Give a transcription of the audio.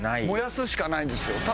燃やすしかないんですよ。